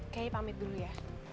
kei pamit dulu ya